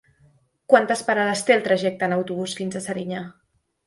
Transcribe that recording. Quantes parades té el trajecte en autobús fins a Serinyà?